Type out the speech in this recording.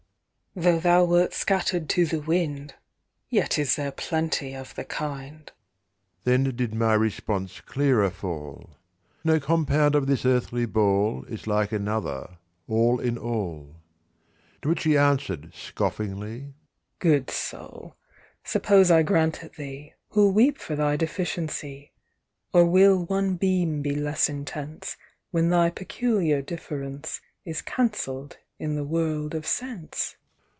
It spake, moreover, in my mind: "Tho' thou wert scatter'd to the wind, Yet is there plenty of the kind". Then did my response clearer fall: "No compound of this earthly ball Is like another, all in all". To which he answer'd scoffingly; "Good soul! suppose I grant it thee, Who'll weep for thy deficiency? "Or will one beam be less intense, When thy peculiar difference Is cancell'd in the world of sense?"